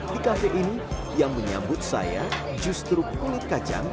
di kafe ini yang menyambut saya justru kulit kacang